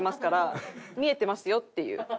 見えてますよっていう。